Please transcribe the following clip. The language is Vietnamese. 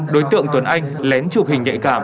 đối tượng tuấn anh lén chụp hình nhạy cảm